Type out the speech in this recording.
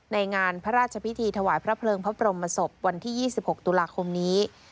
ในงานพระราชพิธีถวายพระเพลิงพระบรมศพวันที่๒๖ตุลาคมนี้